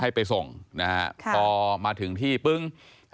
ให้ไปส่งนะฮะพอมาถึงที่ปึ้ง